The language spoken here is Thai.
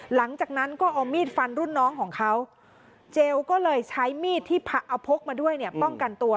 หลังจากนั้นก็เอามีดฟันรุ่นน้องของเขาเจลก็เลยใช้มีดที่เอาพกมาด้วยเนี่ยป้องกันตัว